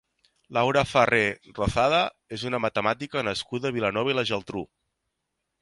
Laura Farré Rozada és una matemàtica nascuda a Vilanova i la Geltrú.